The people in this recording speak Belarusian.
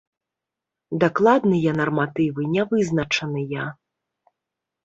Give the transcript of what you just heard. Дакладныя нарматывы не вызначаныя.